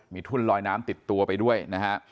มีทุ่นลอยน้ำติดตัวไปด้วยนะฮะ